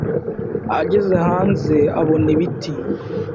Ageze hanze abona ibiti